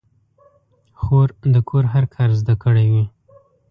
خور د کور هر کار زده کړی وي.